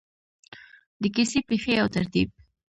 د کیسې پیښې او ترتیب: